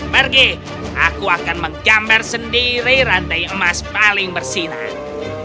pergi aku akan menggambar sendiri rantai emas paling bersinar